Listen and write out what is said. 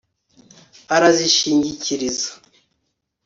arazishingikiriza